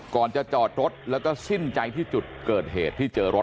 ก่อนจะจอดรถแล้วก็สิ้นใจที่จุดเกิดเหตุที่เจอรถ